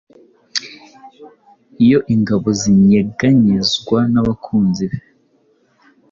Iyo ingabo zinyeganyezwa nabakunzi be